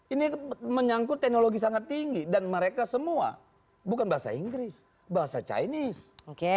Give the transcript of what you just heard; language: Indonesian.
ini menyangkut teknologi sangat tinggi dan mereka semua bukan bahasa inggris bahasa chinese